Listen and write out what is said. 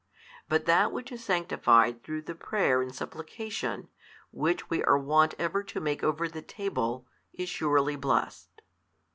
But that which is sanctified through the prayer in supplication, which we are wont ever to make over the table, is surely blessed..